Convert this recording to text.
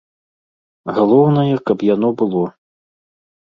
Галоўнае, каб яно было.